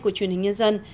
của chủ nghĩa việt nam